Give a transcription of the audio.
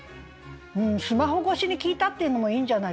「スマホ越しに聴いた」っていうのもいいんじゃないですかね。